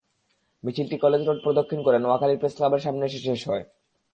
মিছিলটি college road প্রদক্ষিণ করে নোয়াখালী প্রেসক্লাবের সামনে এসে শেষ হয়।